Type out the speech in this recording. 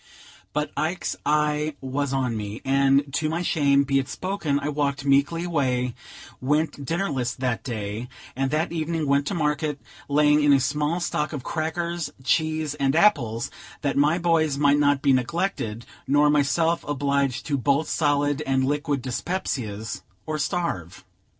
But Ike's eye was on me, and, to my shame be it spoken, I walked meekly away; went dinnerless that day, and that evening went to market, laying in a small stock of crackers, cheese and apples, that my boys might not be neglected, nor myself obliged to bolt solid and liquid dyspepsias, or starve.